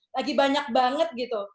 lagi banyak banget gitu